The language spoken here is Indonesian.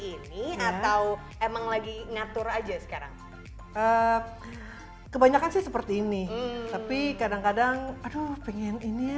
ini atau emang lagi ngatur aja sekarang kebanyakan sih seperti ini tapi kadang kadang aduh pengen ini